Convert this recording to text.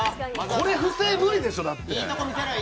これ、不正は無理でしょ、だって。